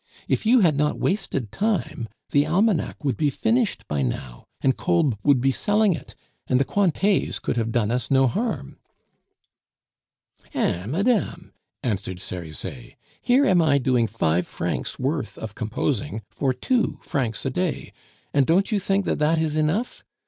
If you had not wasted time, the almanac would be finished by now, and Kolb would be selling it, and the Cointets could have done us no harm." "Eh! madame," answered Cerizet. "Here am I doing five francs' worth of composing for two francs a day, and don't you think that that is enough?